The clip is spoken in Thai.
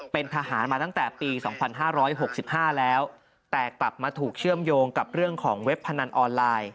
เป็นทหารมาตั้งแต่ปี๒๕๖๕แล้วแต่กลับมาถูกเชื่อมโยงกับเรื่องของเว็บพนันออนไลน์